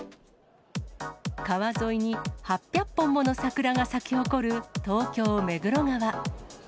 川沿いに８００本もの桜が咲き誇る東京・目黒川。